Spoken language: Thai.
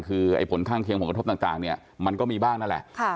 คือไอ้ผลข้างเคียงผลกระทบต่างเนี่ยมันก็มีบ้างนั่นแหละ